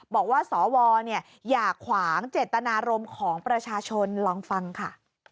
บอกว่าสวอย่าขวางเจตนารมณ์ของประชาชนลองฟังค่ะ